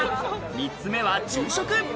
３つ目は昼食。